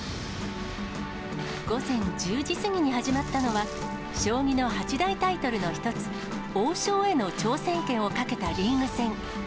午前１０時過ぎに始まったのは、将棋の八大タイトルの一つ、王将への挑戦権をかけたリーグ戦。